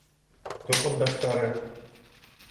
Тоҡомдаштары!